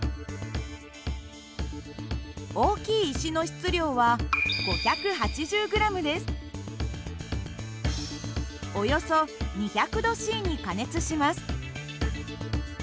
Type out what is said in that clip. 大きい石の質量はおよそ２００℃に加熱します。